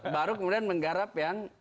baru kemudian menggarap yang